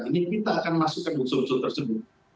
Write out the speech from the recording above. ini kita akan masuk ke unsur unsur tersebut